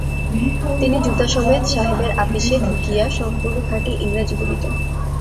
তিনি জুতাসমেত সাহেবের আপিসে, ঢুকিয়া সম্পূর্ণ খাঁটি ইংরাজি বলিতেন।